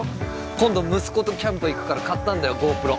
今度息子とキャンプ行くから買ったんだよＧｏＰｒｏ。